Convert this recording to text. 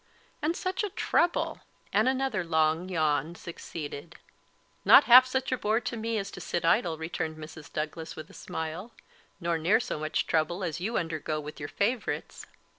and such a trouble!" and another long yawn succeeded. "Not half such a bore to me as to sit idle," returned Mrs. Douglas, with a smile, "nor near so much trouble as you undergo with your favourites."